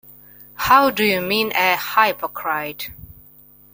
How do you mean a hypocrite?